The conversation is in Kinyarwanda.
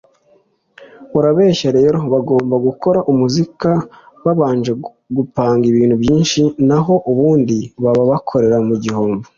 aribeshya rero bagomba gukora muzika babanje gupanga ibintu byinshi nho ubundi baba bakorera mu gihombo”